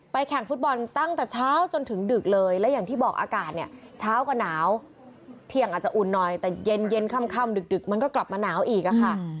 แข่งฟุตบอลตั้งแต่เช้าจนถึงดึกเลยและอย่างที่บอกอากาศเนี่ยเช้าก็หนาวเที่ยงอาจจะอุ่นหน่อยแต่เย็นค่ำดึกมันก็กลับมาหนาวอีกอะค่ะ